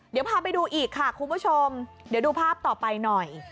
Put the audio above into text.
เดี๋ยวพาไปดูอีกค่ะคุณผู้ชมเดี๋ยวดูภาพต่อไปหน่อย